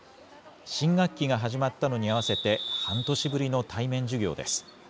新学期が始まったのに合わせて、半年ぶりの対面授業です。